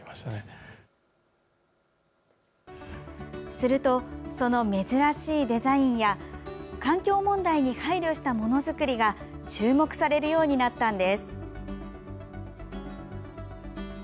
するとその珍しいデザインや環境問題に配慮したものづくりが注目されるようになったのです。